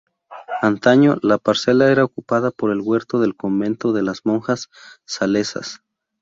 Antaño la parcela era ocupada por el huerto del convento de las monjas salesas.